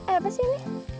eh apa sih ini